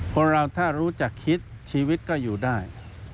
คนเราถ้ารู้จักคิดชีวิตก็อยู่ได้